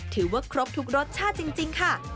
ถือว่าครบทุกรสชาติจริงค่ะ